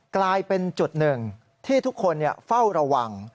กลายเป็นจุดหนึ่งที่ทุกคนเฝ้าระวัง